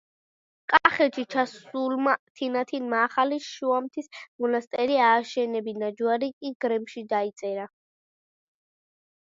კახეთში ჩასულმა თინათინმა ახალი შუამთის მონასტერი ააშენებინა, ჯვარი კი გრემში დაიწერა.